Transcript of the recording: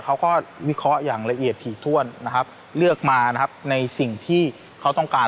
เขาก็วิเคราะห์อย่างละเอียดถี่ถ้วนนะครับเลือกมานะครับในสิ่งที่เขาต้องการ